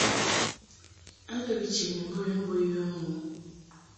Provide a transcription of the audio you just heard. A to bi chě ni mbɔnyum bo yə ŋu.